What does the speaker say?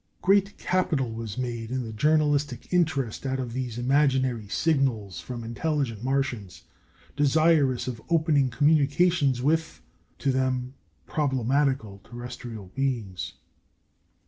Great capital was made in the journalistic interest out of these imaginary signals from intelligent Martians, desirous of opening communications with (to them) problematical terrestrial beings.